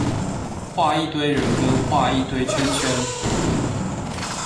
畫一堆人跟畫一堆圈圈